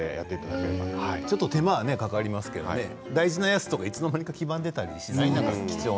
手間はかかりますけど大事なものは、いつの間にか黄ばんでいたりしますよね。